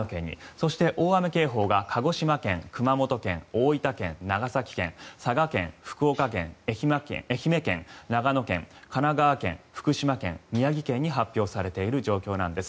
そして大雨警報が鹿児島県、熊本県、大分県長崎県、佐賀県、福岡県愛媛県、長野県、神奈川県福島県、宮城県に発表されている状況なんです。